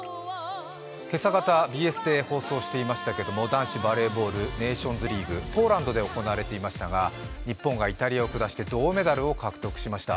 今朝方、ＢＳで放送していましたけども、男子バレーボール、ネーションズリーグ、ポーランドで行われていましたが日本がイタリアを下して銅メダルを獲得しました。